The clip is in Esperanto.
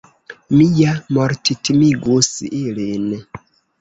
Mi ja morttimigus ilin.